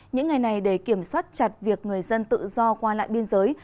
những ngày này để kiểm soát chặt việc người dân tự do qua lại biên giới